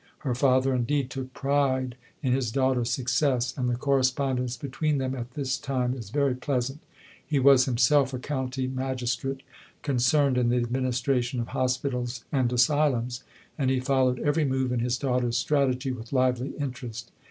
Her father, indeed, took pride in his daughter's success, and the correspondence between them at this time is very pleasant. He was himself a county magistrate, concerned in the administration of hospitals and asylums; and he followed every move in his daughter's strategy with lively interest.